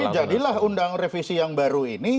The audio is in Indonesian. jadi jadilah undang revisi yang baru ini